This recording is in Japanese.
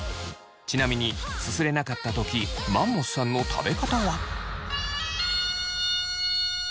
ちなみにすすれなかった時マンモスさんの食べ方は。